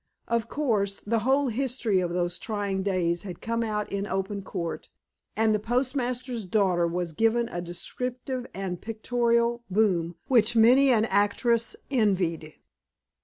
Of course, the whole history of those trying days had to come out in open court, and the postmaster's daughter was given a descriptive and pictorial boom which many an actress envied.